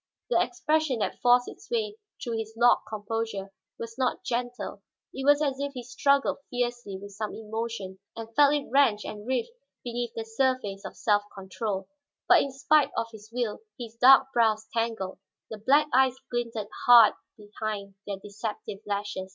The expression that forced its way through his locked composure was not gentle; it was as if he struggled fiercely with some emotion and felt it wrench and writhe beneath the surface of self control. But in spite of his will, his dark brows tangled, the black eyes glinted hard behind their deceptive lashes.